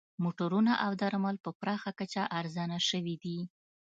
موټرونه او درمل په پراخه کچه ارزانه شوي دي